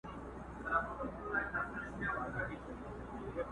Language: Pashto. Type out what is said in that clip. نه له خلوته څخه شېخ، نه له مغانه خیام٫